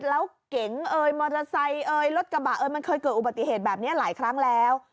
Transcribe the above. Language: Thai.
แล้วเก๋งเอ่ยมอเตอร์ไซค์เอ่ยรถกระบะเอ่ยมันเคยเกิดอุบัติเหตุแบบนี้หลายครั้งแล้ว